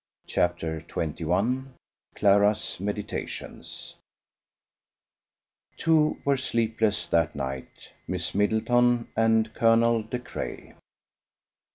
CHAPTER XXI CLARA'S MEDITATIONS Two were sleepless that night: Miss Middleton and Colonel De Craye.